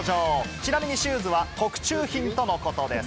ちなみにシューズは特注品とのことです。